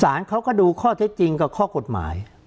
สารเขาก็ดูข้อเท็จจริงกับข้อกฎหมาย